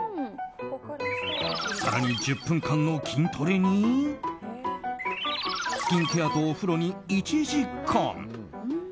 更に、１０分間の筋トレにスキンケアとお風呂に１時間。